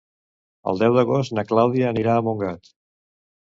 El deu d'agost na Clàudia anirà a Montgat.